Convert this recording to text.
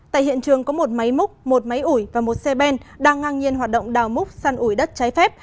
tại hiện trường có một máy múc một máy ủi và một xe ben đang ngang nhiên hoạt động đào múc săn ủi đất trái phép